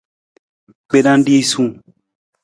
Gbena risung.